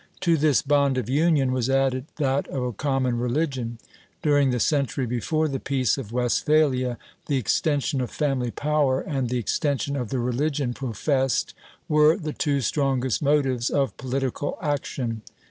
To this bond of union was added that of a common religion. During the century before the Peace of Westphalia, the extension of family power, and the extension of the religion professed, were the two strongest motives of political action.